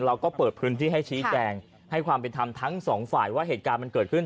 เราก็เปิดพื้นที่ให้ชี้แจงให้ความเป็นธรรมทั้งสองฝ่ายว่าเหตุการณ์มันเกิดขึ้น